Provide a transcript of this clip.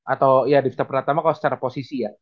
atau ya divta pratama kalo secara posisi ya